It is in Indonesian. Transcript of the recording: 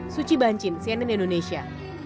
suci bancin cnn indonesia